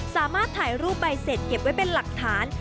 สามารถถ่ายรูปใบเสร็จเก็บไว้เป็นหลักฐาน